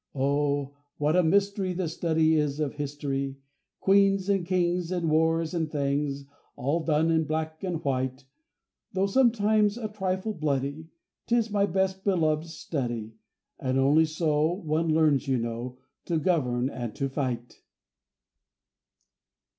Oh! what a mystery The study is of history! Queens and kings, And wars and things, All done in black and white. Though sometimes a trifle bloody, 'Tis my best beloved study, For only so One learns, you know, To govern and to fight!